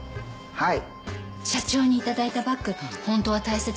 はい。